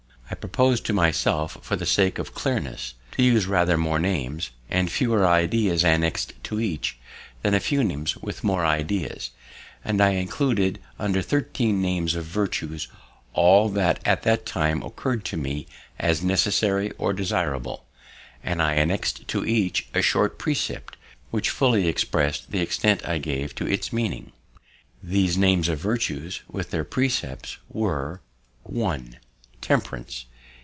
I propos'd to myself, for the sake of clearness, to use rather more names, with fewer ideas annex'd to each, than a few names with more ideas; and I included under thirteen names of virtues all that at that time occurr'd to me as necessary or desirable, and annexed to each a short precept, which fully express'd the extent I gave to its meaning. These names of virtues, with their precepts, were: 1. Temperance.